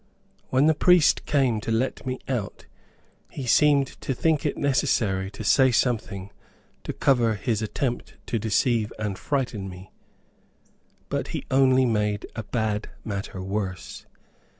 When the priest came to let me out, he seemed to think it necessary to say something to cover his attempt to deceive and frighten me, but he only made a bad matter worse.